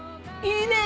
いいね。